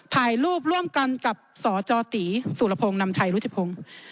ถ่ายรูปร่วมกันกับสจตีสุรพงศ์นำชัยรุจิพงศ์